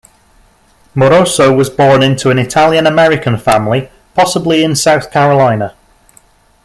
Moroso was born into an Italian-American family, possibly in South Carolina.